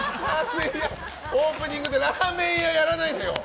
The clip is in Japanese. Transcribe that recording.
オープニングでラーメン屋やらないでよ。